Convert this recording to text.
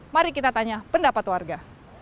mari kita tanya pendapat warga